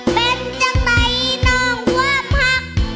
เป็นจังใดนองว่ามหัก